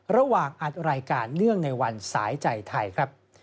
ระหว่างอัดรายการเนื่องในวันสายใจไทยครับ